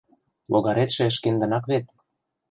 Логаретше шкендынак вет.